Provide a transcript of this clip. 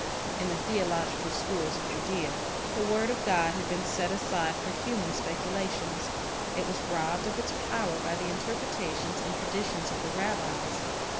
In the theological schools of Judea, the word of God had been set aside for human speculations; it was robbed of its power by the interpretations and Deut. 34 :io. Lives of Great Men 65 traditions of the rabbis.